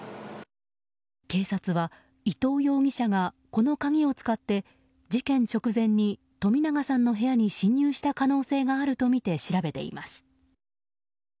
警察は、伊藤容疑者がこの鍵を使って事件直前に冨永さんの部屋に侵入した可能性があるとみて調べています。